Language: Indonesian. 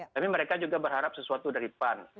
tapi mereka juga berharap sesuatu dari pan